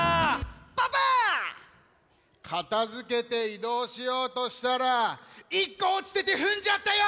かたづけていどうしようとしたら１こおちててふんじゃったよ！